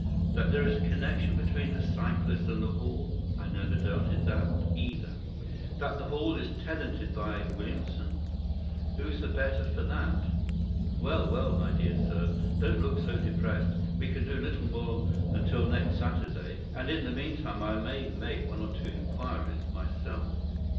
That there is a connection between the cyclist and the Hall. I never doubted that either. That the Hall is tenanted by Williamson. Who's the better for that? Well, well, my dear sir, don't look so depressed. We can do little more until next Saturday, and in the meantime I may make one or two inquiries myself."